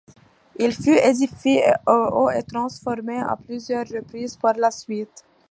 Il fut édifié au et transformé à plusieurs reprises par la suite.